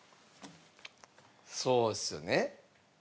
そうですよね。